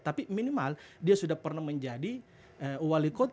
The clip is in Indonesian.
tapi minimal dia sudah pernah menjadi wali kota kurang lebih dua tahun lagi